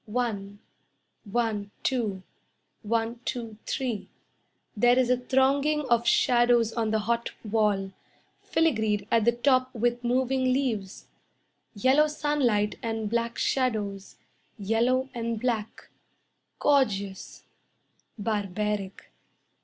One, One, two, One, two, three, There is a thronging of shadows on the hot wall, Filigreed at the top with moving leaves. Yellow sunlight and black shadows, Yellow and black, Gorgeous barbaric.